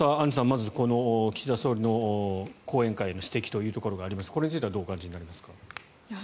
まずこの岸田総理の後援会への指摘というところがありますがこれについてはどうお感じになりますか？